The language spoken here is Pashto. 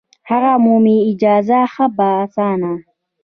هغه مومي اجازت ښه په اسانه